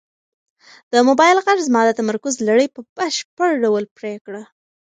د موبایل غږ زما د تمرکز لړۍ په بشپړ ډول پرې کړه.